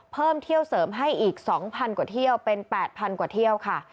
เพิ่มเที่ยวเสริมให้อีก๒๐๐กว่าเที่ยวเป็น๘๐๐กว่าเที่ยวค่ะ